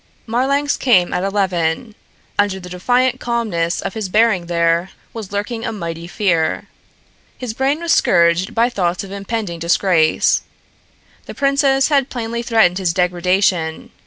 Marlanx came at eleven. Under the defiant calmness of his bearing there was lurking a mighty fear. His brain was scourged by thoughts of impending disgrace. The princess had plainly threatened his degradation.